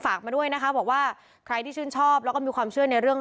มาด้วยนะคะบอกว่าใครที่ชื่นชอบแล้วก็มีความเชื่อในเรื่อง